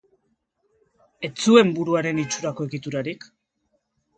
Ez zuen buruaren itxurako egiturarik.